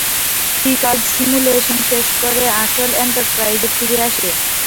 Piccard simulation শেষ করে আসল এন্টারপ্রাইজে ফিরে আসে।